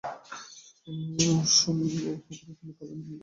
শুঙ্গ উপরিতলে কালো ও নিম্নতলে ফ্যাকাশে সাদা ও শীর্ষে হলদে বিন্দু।